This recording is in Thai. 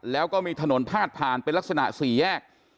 แล้วก็มีถนนผ้าดผ่านไปลักษณะ๔แยก